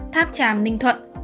tháp tràm ninh thuận